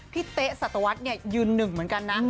เต๊ะสัตวรรษยืนหนึ่งเหมือนกันนะ